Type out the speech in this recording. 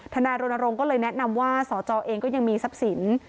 นายรณรงค์ก็เลยแนะนำว่าสจเองก็ยังมีทรัพย์สิน